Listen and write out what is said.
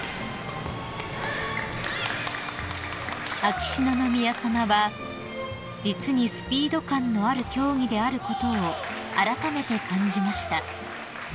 ［秋篠宮さまは「実にスピード感のある競技であることをあらためて感じました」